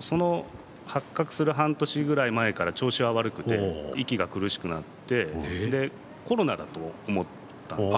その発覚する半年ぐらい前から調子が悪くて息が苦しくなってコロナだと思ったんですね。